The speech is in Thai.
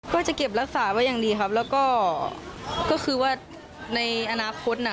ก็จะเก็บรักษาไว้อย่างดีครับแล้วก็คือว่าในอนาคตน่ะ